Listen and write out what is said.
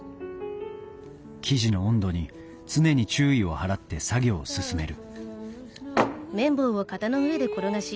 生地の温度に常に注意を払って作業を進める